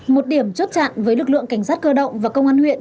một điểm chốt chặn với lực lượng cảnh sát cơ động và công an huyện